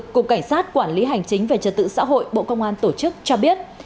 cục cảnh sát quản lý hành chính về trật tự xã hội bộ công an tổ chức cho biết